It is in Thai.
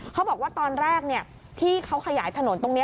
เขาบอกว่าตอนแรกที่เขาขยายถนนตรงนี้